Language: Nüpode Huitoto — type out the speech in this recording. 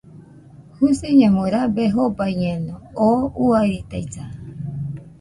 Jusiñamui rabe jobaiñeno, oo uairitaisa